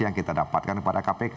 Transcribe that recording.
yang kita dapatkan kepada kpk